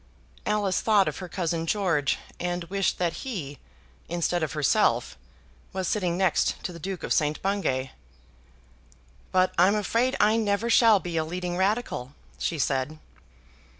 Alice thought of her cousin George, and wished that he, instead of herself, was sitting next to the Duke of St. Bungay. "But I'm afraid I never shall be a leading Radical," she said.